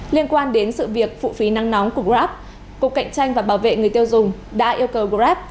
liên quan đến sự việc phụ phí nắng nóng của grab cục cạnh tranh và bảo vệ người tiêu dùng đã yêu cầu grab